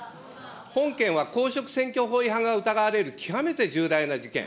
本件は公職選挙法違反が疑われる、極めて重大な事件。